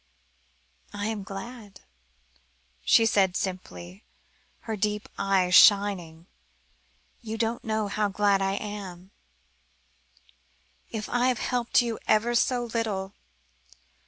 "I am glad," she said simply, her deep eyes shining. "You don't know how glad I am, if I have helped you ever so little.